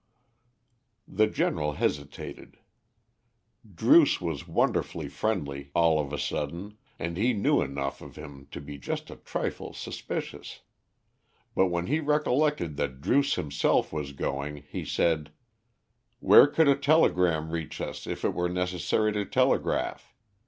The General hesitated. Druce was wonderfully friendly all of a sudden, and he knew enough of him to be just a trifle suspicious. But when he recollected that Druce himself was going, he said, "Where could a telegram reach us, if it were necessary to telegraph?